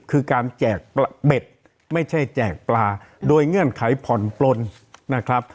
คือการแจกเบ็ดไม่ใช่แจกปลาโดยเงื่อนไขผ่อนปลนนะครับ